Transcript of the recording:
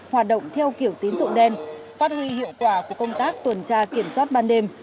hoạt động theo kiểu tín dụng đen phát huy hiệu quả của công tác tuần tra kiểm soát ban đêm